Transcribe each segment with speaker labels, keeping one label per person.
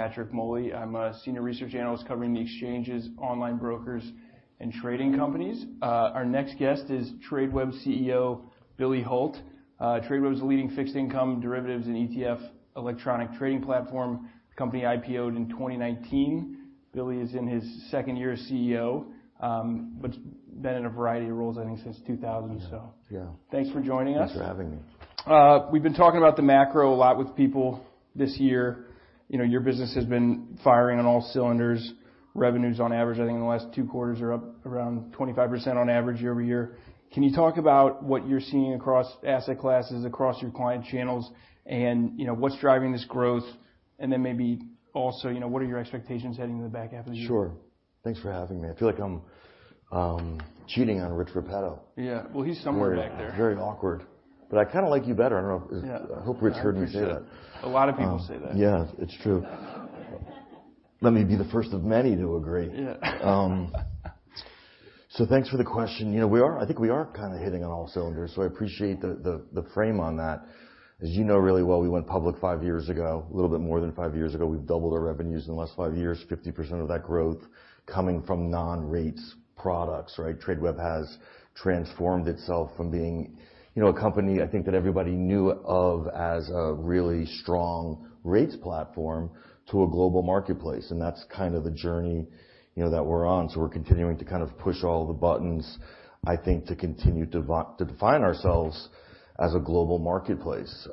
Speaker 1: I'm Patrick Moley. I'm a senior research analyst covering the exchanges, online brokers, and trading companies. Our next guest is Tradeweb CEO Billy Hult. Tradeweb is a leading fixed income derivatives and ETF electronic trading platform. The company IPO'd in 2019. Billy is in his second year as CEO, but's been in a variety of roles, I think, since 2000, so.
Speaker 2: Yeah.
Speaker 1: Thanks for joining us.
Speaker 2: Thanks for having me.
Speaker 1: We've been talking about the macro a lot with people this year. You know, your business has been firing on all cylinders. Revenues, on average, I think in the last two quarters are up around 25% on average year-over-year. Can you talk about what you're seeing across asset classes, across your client channels, and, you know, what's driving this growth? And then maybe also, you know, what are your expectations heading into the back half of the year?
Speaker 2: Sure. Thanks for having me. I feel like I'm cheating on Rich Repetto.
Speaker 1: Yeah. He's somewhere back there.
Speaker 2: Very, very awkward. I kinda like you better. I don't know.
Speaker 1: Yeah.
Speaker 2: I hope Rich heard me say that.
Speaker 1: A lot of people say that.
Speaker 2: Yeah. It's true. Let me be the first of many to agree.
Speaker 1: Yeah.
Speaker 2: Thanks for the question. You know, we are, I think we are kinda hitting on all cylinders, so I appreciate the, the frame on that. As you know really well, we went public five years ago, a little bit more than five years ago. We've doubled our revenues in the last five years, 50% of that growth coming from non-rates products, right? Tradeweb has transformed itself from being, you know, a company I think that everybody knew of as a really strong rates platform to a global marketplace. And that's kinda the journey, you know, that we're on. We are continuing to kind of push all the buttons, I think, to continue to define ourselves as a global marketplace.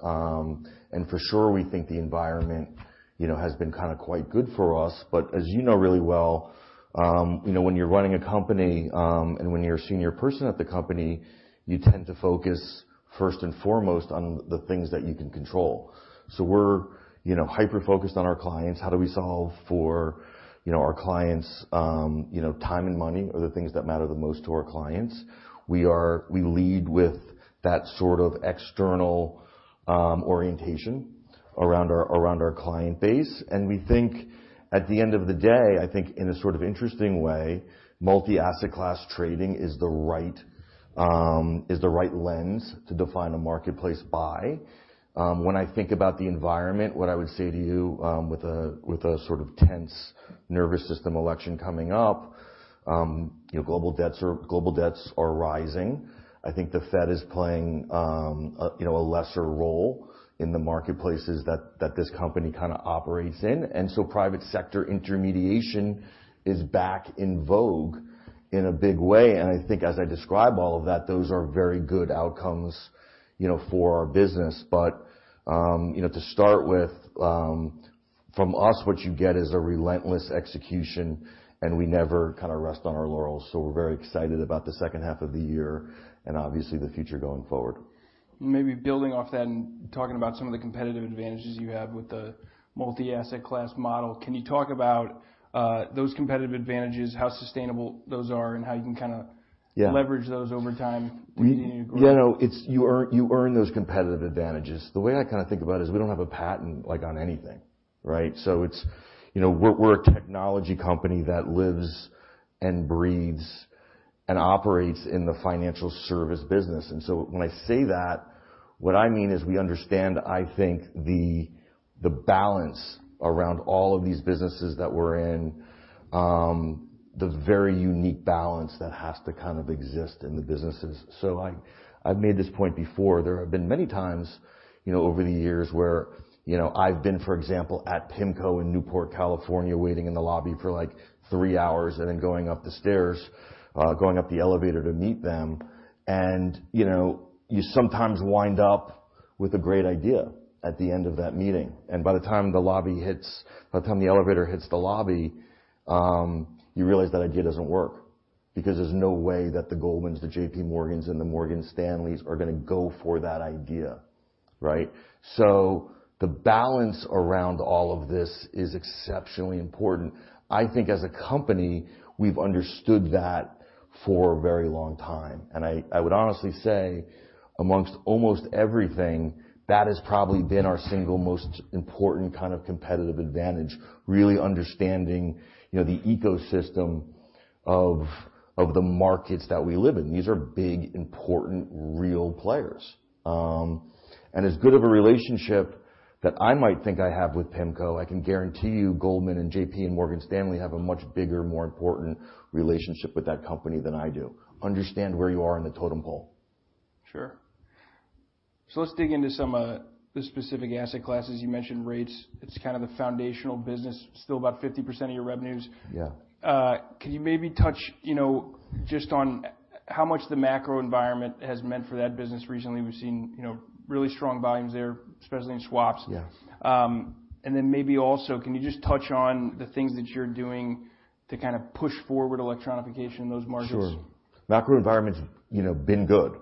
Speaker 2: For sure, we think the environment, you know, has been kinda quite good for us. As you know really well, you know, when you're running a company, and when you're a senior person at the company, you tend to focus first and foremost on the things that you can control. We're, you know, hyper-focused on our clients. How do we solve for, you know, our clients, you know, time and money are the things that matter the most to our clients. We lead with that sort of external orientation around our client base. We think at the end of the day, I think in a sort of interesting way, multi-asset class trading is the right, is the right lens to define a marketplace by. When I think about the environment, what I would say to you, with a sort of tense, nervous system election coming up, you know, global debts are rising. I think the Fed is playing, you know, a lesser role in the marketplaces that this company kinda operates in. Private sector intermediation is back in vogue in a big way. I think as I describe all of that, those are very good outcomes, you know, for our business. You know, to start with, from us, what you get is a relentless execution, and we never kinda rest on our laurels. We are very excited about the second half of the year and obviously the future going forward.
Speaker 1: Maybe building off that and talking about some of the competitive advantages you have with the multi-asset class model, can you talk about those competitive advantages, how sustainable those are, and how you can kinda.
Speaker 2: Yeah.
Speaker 1: Leverage those over time?
Speaker 2: Yeah. No, you earn those competitive advantages. The way I kinda think about it is we do not have a patent like on anything, right? It is, you know, we are a technology company that lives and breathes and operates in the financial service business. When I say that, what I mean is we understand, I think, the balance around all of these businesses that we are in, the very unique balance that has to kind of exist in the businesses. I have made this point before. There have been many times, you know, over the years where, you know, I have been, for example, at PIMCO in Newport, California, waiting in the lobby for like three hours and then going up the stairs, going up the elevator to meet them. You sometimes wind up with a great idea at the end of that meeting. By the time the elevator hits the lobby, you realize that idea does not work because there is no way that the Goldmans, the JP Morgans, and the Morgan Stanleys are gonna go for that idea, right? The balance around all of this is exceptionally important. I think as a company, we have understood that for a very long time. I would honestly say amongst almost everything, that has probably been our single most important kind of competitive advantage, really understanding the ecosystem of the markets that we live in. These are big, important, real players. As good of a relationship that I might think I have with PIMCO, I can guarantee you Goldman Sachs and JPMorgan and Morgan Stanley have a much bigger, more important relationship with that company than I do. Understand where you are in the totem pole.
Speaker 1: Sure. Let's dig into some, the specific asset classes. You mentioned rates. It's kinda the foundational business. Still about 50% of your revenues.
Speaker 2: Yeah.
Speaker 1: Can you maybe touch, you know, just on how much the macro environment has meant for that business recently? We've seen, you know, really strong volumes there, especially in swaps.
Speaker 2: Yeah.
Speaker 1: and then maybe also, can you just touch on the things that you're doing to kinda push forward electronification in those markets?
Speaker 2: Sure. Macro environment's, you know, been good.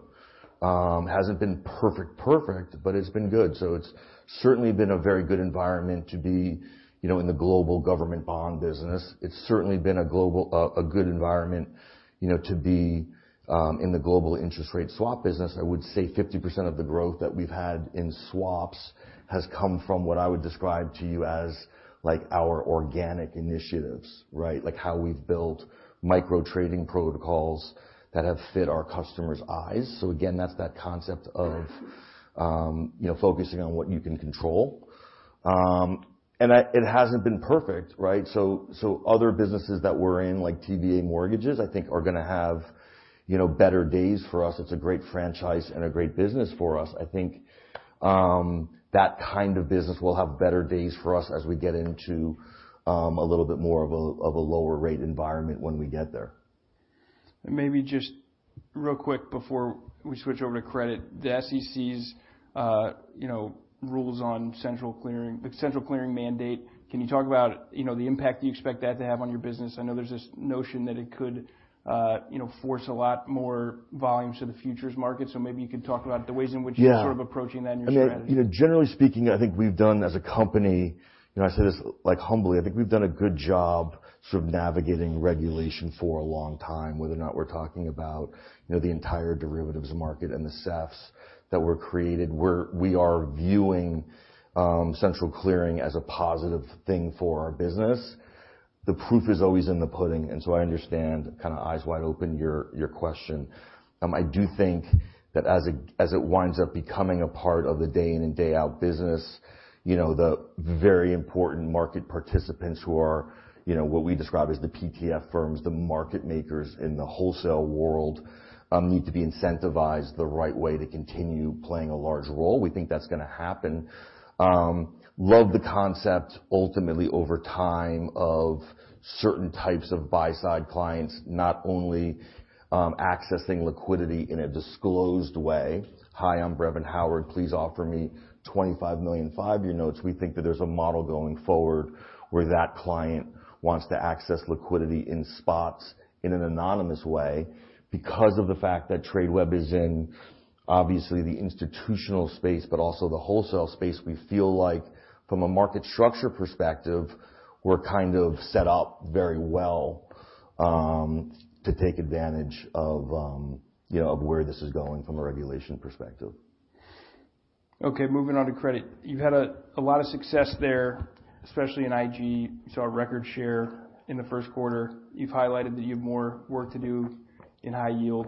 Speaker 2: Hasn't been perfect, perfect, but it's been good. It's certainly been a very good environment to be, you know, in the global government bond business. It's certainly been a global, a good environment, you know, to be, in the global interest rate swap business. I would say 50% of the growth that we've had in swaps has come from what I would describe to you as like our organic initiatives, right? Like how we've built micro trading protocols that have fit our customers' eyes. Again, that's that concept of, you know, focusing on what you can control. That it hasn't been perfect, right? Other businesses that we're in, like TBA Mortgages, I think are gonna have, you know, better days for us. It's a great franchise and a great business for us. I think that kind of business will have better days for us as we get into a little bit more of a lower rate environment when we get there.
Speaker 1: Maybe just real quick before we switch over to credit, the SEC's, you know, rules on central clearing, the central clearing mandate. Can you talk about, you know, the impact you expect that to have on your business? I know there's this notion that it could, you know, force a lot more volumes to the futures market. Maybe you could talk about the ways in which you're sort of approaching that in your strategy.
Speaker 2: I mean, you know, generally speaking, I think we've done as a company, you know, I say this like humbly, I think we've done a good job sort of navigating regulation for a long time, whether or not we're talking about, you know, the entire derivatives market and the SEFs that were created. We are viewing central clearing as a positive thing for our business. The proof is always in the pudding. I understand kinda eyes wide open your question. I do think that as it winds up becoming a part of the day in and day out business, you know, the very important market participants who are, you know, what we describe as the PTF firms, the market makers in the wholesale world, need to be incentivized the right way to continue playing a large role. We think that's gonna happen. Love the concept ultimately over time of certain types of buy-side clients, not only accessing liquidity in a disclosed way. Hi, I'm Brevan Howard. Please offer me $25 million five-year notes. We think that there's a model going forward where that client wants to access liquidity in spots in an anonymous way because of the fact that Tradeweb is in obviously the institutional space, but also the wholesale space. We feel like from a market structure perspective, we're kind of set up very well to take advantage of, you know, of where this is going from a regulation perspective.
Speaker 1: Okay. Moving on to credit. You've had a lot of success there, especially in IG. You saw a record share in the first quarter. You've highlighted that you have more work to do in high yield.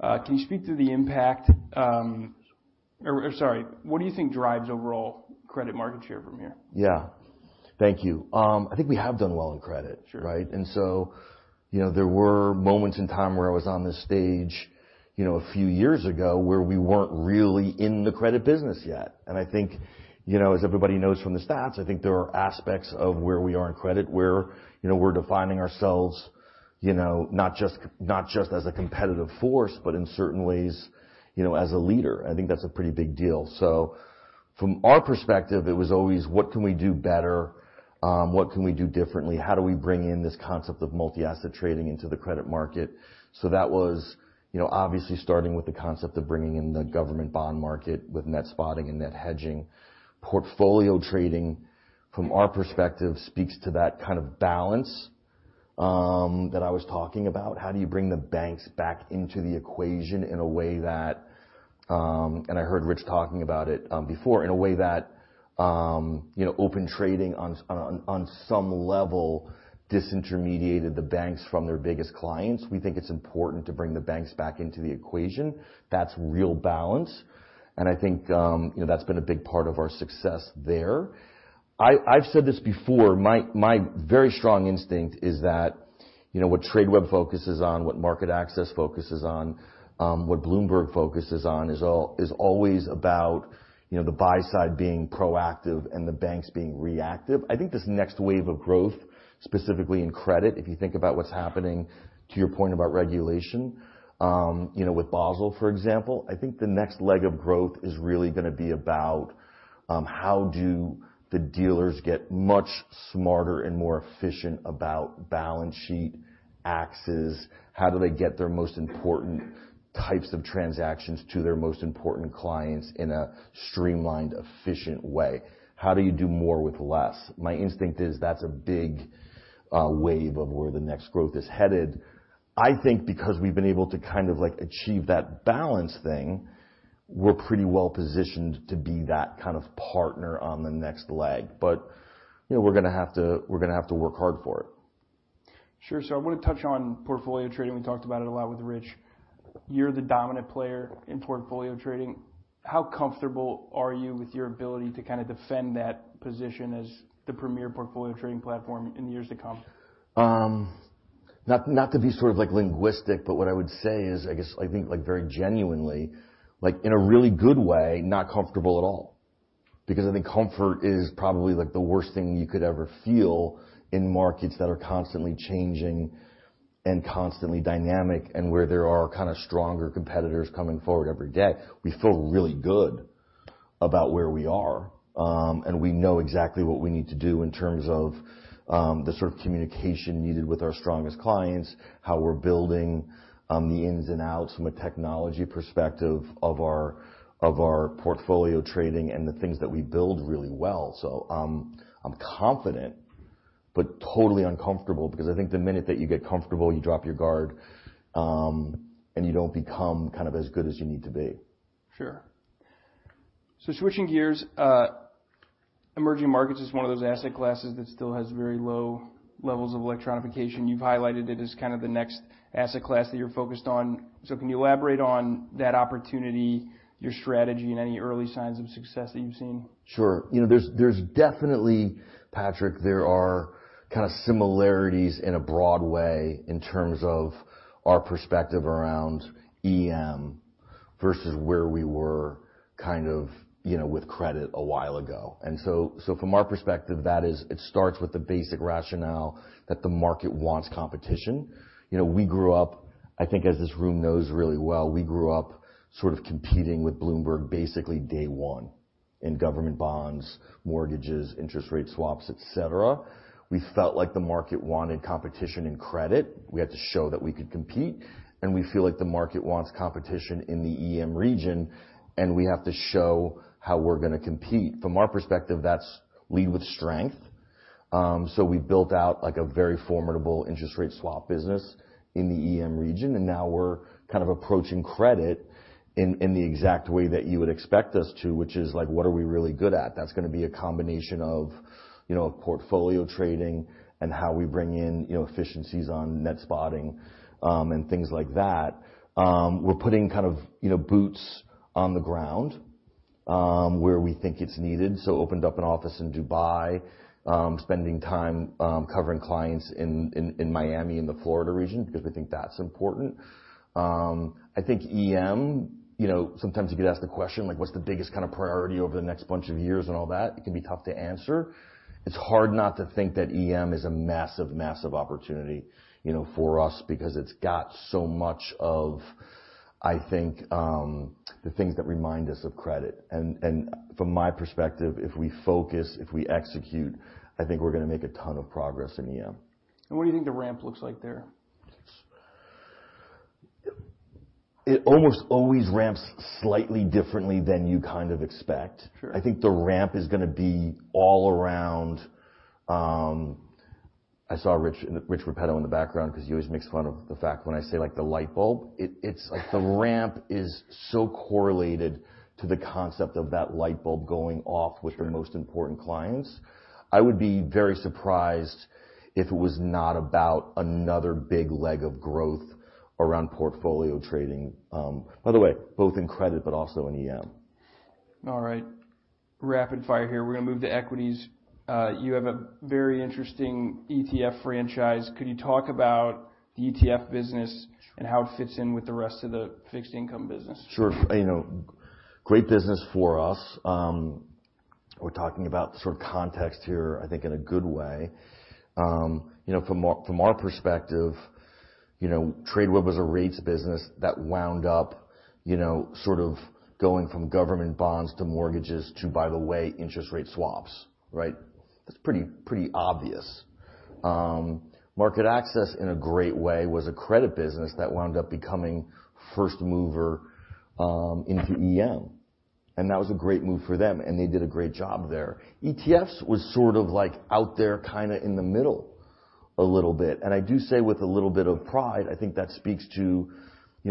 Speaker 1: Can you speak to the impact, or, sorry, what do you think drives overall credit market share from here?
Speaker 2: Yeah. Thank you. I think we have done well in credit.
Speaker 1: Sure.
Speaker 2: Right? You know, there were moments in time where I was on this stage a few years ago where we were not really in the credit business yet. I think, you know, as everybody knows from the stats, I think there are aspects of where we are in credit where, you know, we are defining ourselves, you know, not just as a competitive force, but in certain ways, you know, as a leader. I think that is a pretty big deal. From our perspective, it was always, what can we do better? What can we do differently? How do we bring in this concept of multi-asset trading into the credit market? That was, you know, obviously starting with the concept of bringing in the government bond market with net spotting and net hedging. Portfolio trading, from our perspective, speaks to that kind of balance that I was talking about. How do you bring the banks back into the equation in a way that, and I heard Rich talking about it before, in a way that, you know, open trading on some level disintermediated the banks from their biggest clients. We think it's important to bring the banks back into the equation. That's real balance. I think, you know, that's been a big part of our success there. I've said this before. My very strong instinct is that, you know, what Tradeweb focuses on, what MarketAxess focuses on, what Bloomberg focuses on is always about, you know, the buy-side being proactive and the banks being reactive. I think this next wave of growth, specifically in credit, if you think about what's happening to your point about regulation, you know, with Basel, for example, I think the next leg of growth is really gonna be about, how do the dealers get much smarter and more efficient about balance sheet axes? How do they get their most important types of transactions to their most important clients in a streamlined, efficient way? How do you do more with less? My instinct is that's a big, wave of where the next growth is headed. I think because we've been able to kind of like achieve that balance thing, we're pretty well positioned to be that kind of partner on the next leg. You know, we're gonna have to work hard for it.
Speaker 1: Sure. I wanna touch on portfolio trading. We talked about it a lot with Rich. You're the dominant player in portfolio trading. How comfortable are you with your ability to kinda defend that position as the premier portfolio trading platform in the years to come?
Speaker 2: Not, not to be sort of like linguistic, but what I would say is, I guess, I think like very genuinely, like in a really good way, not comfortable at all. Because I think comfort is probably like the worst thing you could ever feel in markets that are constantly changing and constantly dynamic and where there are kinda stronger competitors coming forward every day. We feel really good about where we are, and we know exactly what we need to do in terms of the sort of communication needed with our strongest clients, how we're building, the ins and outs from a technology perspective of our portfolio trading and the things that we build really well. I'm confident but totally uncomfortable because I think the minute that you get comfortable, you drop your guard, and you don't become kind of as good as you need to be.
Speaker 1: Sure. Switching gears, emerging markets is one of those asset classes that still has very low levels of electronification. You have highlighted it as kind of the next asset class that you are focused on. Can you elaborate on that opportunity, your strategy, and any early signs of success that you have seen?
Speaker 2: Sure. You know, there's definitely, Patrick, there are kinda similarities in a broad way in terms of our perspective around EM versus where we were kind of, you know, with credit a while ago. From our perspective, that is it starts with the basic rationale that the market wants competition. You know, we grew up, I think as this room knows really well, we grew up sort of competing with Bloomberg basically day one in government bonds, mortgages, interest rate swaps, et cetera. We felt like the market wanted competition in credit. We had to show that we could compete. We feel like the market wants competition in the EM region, and we have to show how we're gonna compete. From our perspective, that's lead with strength. We've built out like a very formidable interest rate swap business in the EM region, and now we're kind of approaching credit in the exact way that you would expect us to, which is like, what are we really good at? That's gonna be a combination of, you know, portfolio trading and how we bring in, you know, efficiencies on net spotting, and things like that. We're putting kind of, you know, boots on the ground, where we think it's needed. Opened up an office in Dubai, spending time covering clients in Miami in the Florida region because we think that's important. I think EM, you know, sometimes you get asked the question, like, what's the biggest kind of priority over the next bunch of years and all that? It can be tough to answer. It's hard not to think that EM is a massive, massive opportunity, you know, for us because it's got so much of, I think, the things that remind us of credit. From my perspective, if we focus, if we execute, I think we're gonna make a ton of progress in EM.
Speaker 1: What do you think the ramp looks like there?
Speaker 2: It almost always ramps slightly differently than you kind of expect.
Speaker 1: Sure.
Speaker 2: I think the ramp is gonna be all around, I saw Rich, Rich Repetto in the background 'cause he always makes fun of the fact when I say like the light bulb, it's like the ramp is so correlated to the concept of that light bulb going off with the most important clients. I would be very surprised if it was not about another big leg of growth around portfolio trading, by the way, both in credit but also in EM.
Speaker 1: All right. Rapid fire here. We're gonna move to equities. You have a very interesting ETF franchise. Could you talk about the ETF business and how it fits in with the rest of the fixed income business?
Speaker 2: Sure. You know, great business for us. We're talking about sort of context here, I think, in a good way. You know, from our perspective, you know, Tradeweb was a rates business that wound up, you know, sort of going from government bonds to mortgages to, by the way, interest rate swaps, right? That's pretty, pretty obvious. MarketAxess in a great way was a credit business that wound up becoming first mover, into EM. That was a great move for them, and they did a great job there. ETFs was sort of like out there kinda in the middle a little bit. I do say with a little bit of pride, I think that speaks to, you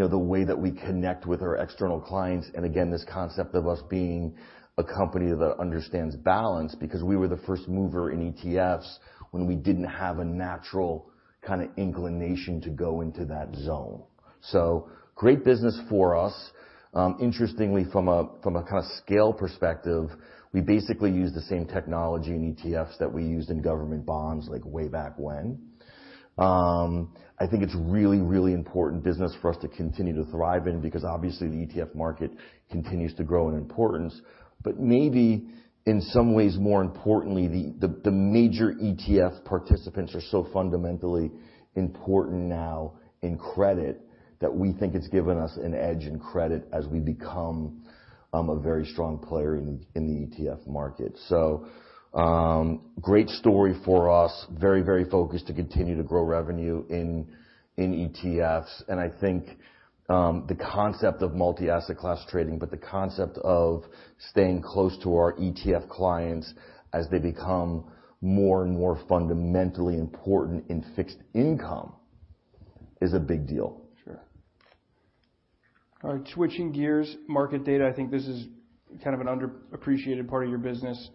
Speaker 2: know, the way that we connect with our external clients. This concept of us being a company that understands balance because we were the first mover in ETFs when we did not have a natural kind of inclination to go into that zone. Great business for us. Interestingly, from a kind of scale perspective, we basically use the same technology in ETFs that we used in government bonds like way back when. I think it is really, really important business for us to continue to thrive in because obviously the ETF market continues to grow in importance, but maybe in some ways, more importantly, the major ETF participants are so fundamentally important now in credit that we think it has given us an edge in credit as we become a very strong player in the ETF market. Great story for us, very, very focused to continue to grow revenue in ETFs. I think the concept of multi-asset class trading, but the concept of staying close to our ETF clients as they become more and more fundamentally important in fixed income is a big deal.
Speaker 1: Sure. All right. Switching gears, market data, I think this is kind of an underappreciated part of your business.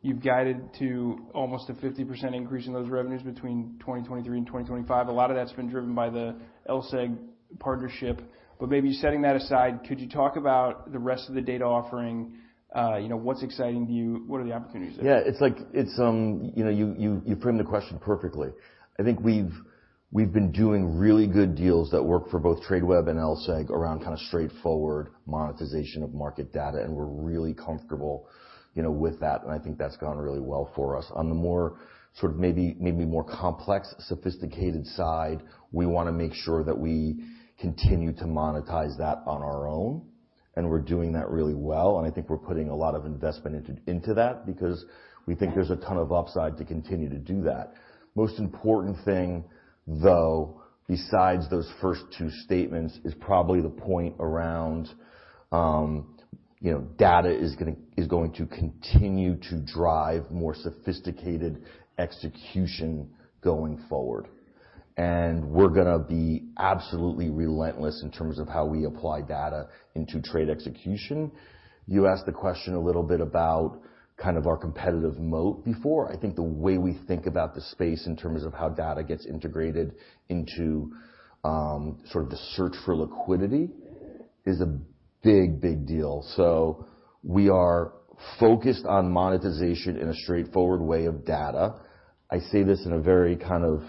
Speaker 1: You've guided to almost a 50% increase in those revenues between 2023 and 2025. A lot of that's been driven by the LSEG partnership. Maybe setting that aside, could you talk about the rest of the data offering, you know, what's exciting to you? What are the opportunities there?
Speaker 2: Yeah. It's like, it's, you know, you framed the question perfectly. I think we've been doing really good deals that work for both Tradeweb and LSEG around kinda straightforward monetization of market data, and we're really comfortable, you know, with that. I think that's gone really well for us. On the more sort of maybe, maybe more complex, sophisticated side, we wanna make sure that we continue to monetize that on our own, and we're doing that really well. I think we're putting a lot of investment into that because we think there's a ton of upside to continue to do that. Most important thing, though, besides those first two statements, is probably the point around, you know, data is going to continue to drive more sophisticated execution going forward. We are gonna be absolutely relentless in terms of how we apply data into trade execution. You asked the question a little bit about kind of our competitive moat before. I think the way we think about the space in terms of how data gets integrated into, sort of the search for liquidity is a big, big deal. We are focused on monetization in a straightforward way of data. I say this in a very kind of,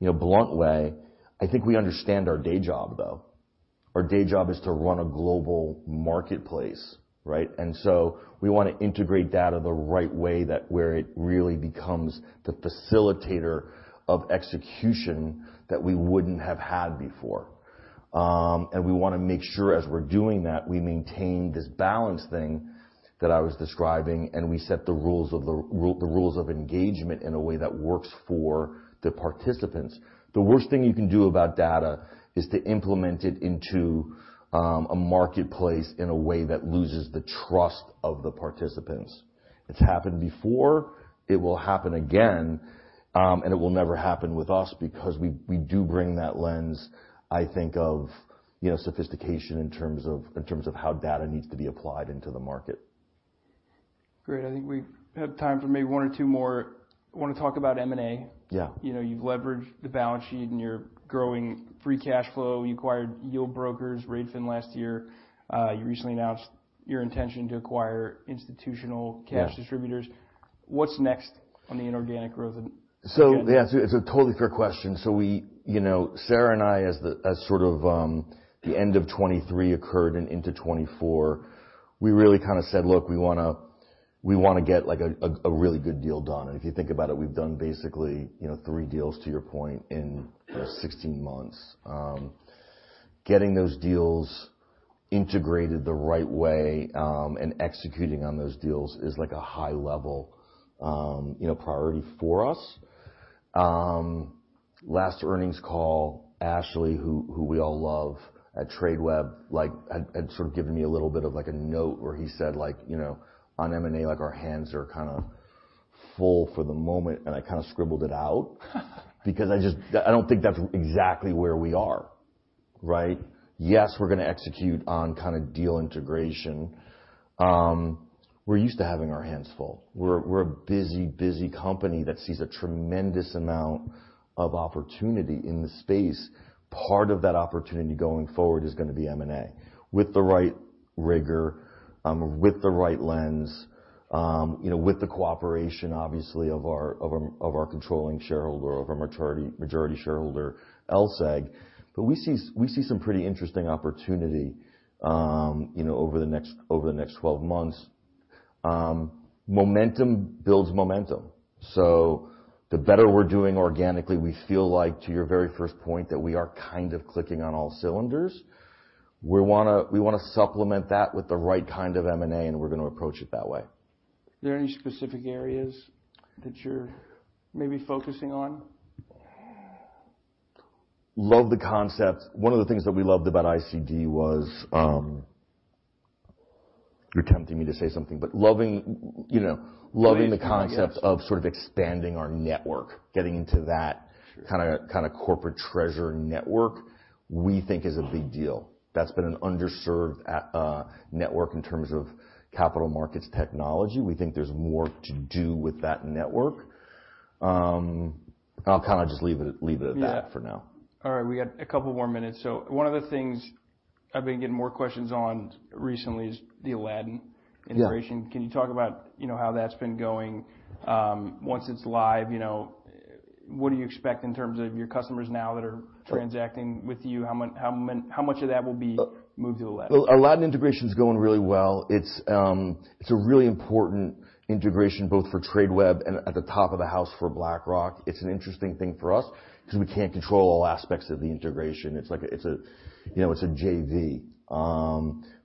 Speaker 2: you know, blunt way. I think we understand our day job, though. Our day job is to run a global marketplace, right? We wanna integrate data the right way that where it really becomes the facilitator of execution that we wouldn't have had before. We wanna make sure as we're doing that, we maintain this balance thing that I was describing, and we set the rules of engagement in a way that works for the participants. The worst thing you can do about data is to implement it into a marketplace in a way that loses the trust of the participants. It's happened before. It will happen again, and it will never happen with us because we do bring that lens, I think, of, you know, sophistication in terms of how data needs to be applied into the market.
Speaker 1: Great. I think we have time for maybe one or two more. I wanna talk about M&A.
Speaker 2: Yeah.
Speaker 1: You know, you've leveraged the balance sheet and you're growing free cash flow. You acquired Yieldbroker, r8fin last year. You recently announced your intention to acquire Institutional Cash Distributors. What's next on the inorganic growth?
Speaker 2: Yeah, it's a totally fair question. We, you know, Sara and I, as sort of the end of 2023 occurred and into 2024, we really kinda said, "Look, we wanna get like a, a, a really good deal done." If you think about it, we've done basically, you know, three deals to your point in, you know, 16 months. Getting those deals integrated the right way, and executing on those deals is like a high-level, you know, priority for us. Last earnings call, Ashley, who we all love at Tradeweb, had sort of given me a little bit of like a note where he said, you know, on M&A, our hands are kinda full for the moment. I kinda scribbled it out because I just I don't think that's exactly where we are, right? Yes, we're gonna execute on kinda deal integration. We're used to having our hands full. We're a busy, busy company that sees a tremendous amount of opportunity in the space. Part of that opportunity going forward is gonna be M&A with the right rigor, with the right lens, you know, with the cooperation, obviously, of our controlling shareholder, of our majority shareholder, LSEG. We see some pretty interesting opportunity, you know, over the next 12 months. Momentum builds momentum. The better we're doing organically, we feel like to your very first point that we are kind of clicking on all cylinders. We wanna supplement that with the right kind of M&A, and we're gonna approach it that way.
Speaker 1: Are there any specific areas that you're maybe focusing on?
Speaker 2: Love the concept. One of the things that we loved about ICD was, you're tempting me to say something, but loving, you know, loving the concept of sort of expanding our network, getting into that kinda, kinda corporate treasury network, we think is a big deal. That's been an underserved network in terms of capital markets technology. We think there's more to do with that network. I'll kinda just leave it at that for now.
Speaker 1: All right. We got a couple more minutes. One of the things I've been getting more questions on recently is the Aladdin integration. Can you talk about, you know, how that's been going, once it's live, you know, what do you expect in terms of your customers now that are transacting with you? How much, how many, how much of that will be moved to Aladdin?
Speaker 2: Aladdin integration's going really well. It's a really important integration both for Tradeweb and at the top of the house for BlackRock. It's an interesting thing for us 'cause we can't control all aspects of the integration. It's like a, you know, it's a JV.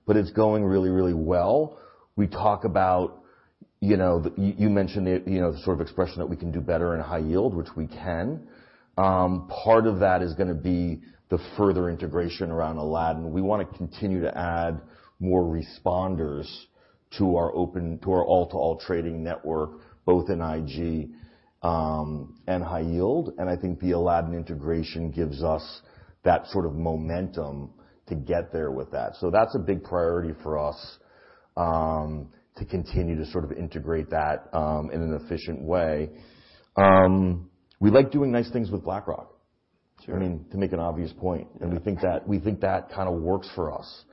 Speaker 2: It is going really, really well. We talk about, you know, you mentioned the, you know, the sort of expression that we can do better in high yield, which we can. Part of that is gonna be the further integration around Aladdin. We wanna continue to add more responders to our open to our all-to-all trading network, both in IG and high yield. I think the Aladdin integration gives us that sort of momentum to get there with that. That's a big priority for us, to continue to sort of integrate that, in an efficient way. We like doing nice things with BlackRock.
Speaker 1: Sure.
Speaker 2: I mean, to make an obvious point. We think that kinda works for us.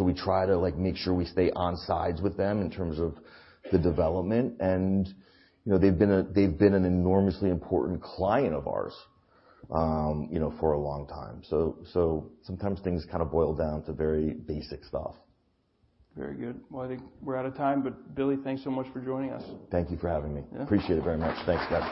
Speaker 2: We try to like make sure we stay on sides with them in terms of the development. You know, they've been a they've been an enormously important client of ours, you know, for a long time. Sometimes things kinda boil down to very basic stuff.
Speaker 1: Very good. I think we're out of time, but Billy, thanks so much for joining us.
Speaker 2: Thank you for having me.
Speaker 1: Yeah.
Speaker 2: Appreciate it very much. Thanks.